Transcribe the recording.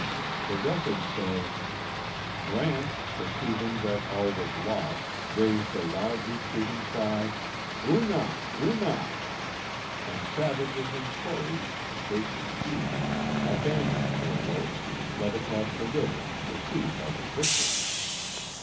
The record says: " Brant, perceiving that all was lost, raised the loud retreating cry, ' Oonah! Oonah!* and savages and Tories, in great confusion, abandoned their works and fled across the river, pursued by the victors."